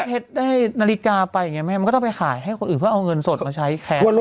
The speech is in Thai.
เพชรได้นาฬิกาไปอย่างนี้แม่มันก็ต้องไปขายให้คนอื่นเพื่อเอาเงินสดมาใช้แทน